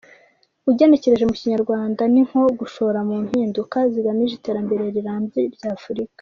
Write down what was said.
Ugenekereje mu Kinyarwanda ni nko; ‘Gushora mu Mpinduka zigamije Iterambere Rirambye rya Afurika’.